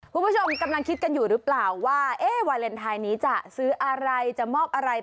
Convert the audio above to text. คุณผู้ชมกำลังคิดกันอยู่หรือเปล่าว่าวาเลนไทยนี้จะซื้ออะไรจะมอบอะไร